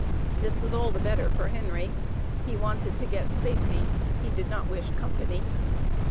This was all the better for Henry, he wanted to get safety; he did not wish company.